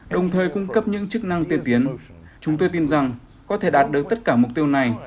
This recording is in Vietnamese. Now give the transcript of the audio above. đồng thời cung cấp những chức năng tiên tiến chúng tôi tin rằng có thể đạt được tất cả mục tiêu này